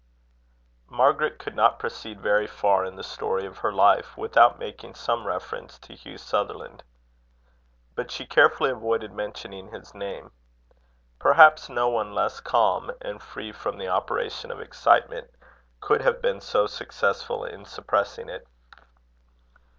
Margaret could not proceed very far in the story of her life, without making some reference to Hugh Sutherland. But she carefully avoided mentioning his name. Perhaps no one less calm, and free from the operation of excitement, could have been so successful in suppressing it.